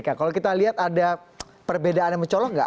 kalau kita lihat ada perbedaan yang mencolok nggak